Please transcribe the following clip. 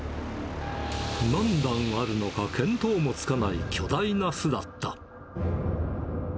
何段あるのか見当もつかない巨大な巣だった。